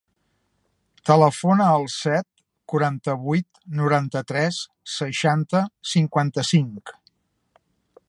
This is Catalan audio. Telefona al set, quaranta-vuit, noranta-tres, seixanta, cinquanta-cinc.